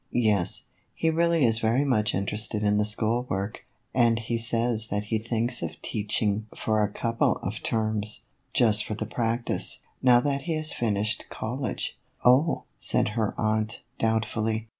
"Yes, he really is very much interested in the school work, and he says that he thinks of teaching THE EVOLUTION OF A BONNET. 121 for a couple of terms, just for the practise, now that he has finished college." " Oh !" said her aunt, doubtfully.